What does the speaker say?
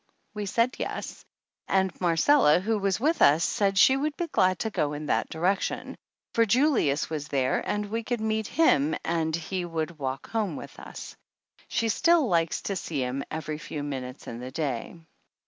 We said yes and Marcella, who was with us, said she would be glad to go in that direction, for Julius was there and we could meet him and he would walk home with us. She still likes to see him every few minutes in the day.